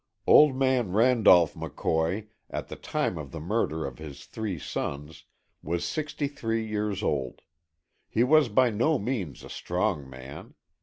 Old man Randolph McCoy, at the time of the murder of his three sons, was sixty three years old. He was by no means a strong man.